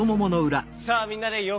さあみんなでよ